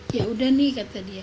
ya udah nih kata dia